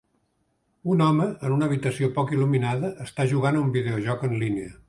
Un home, en una habitació poc il·luminada, està jugant a un videojoc en línia